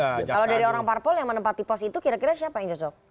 kalau dari orang parpol yang menempati pos itu kira kira siapa yang cocok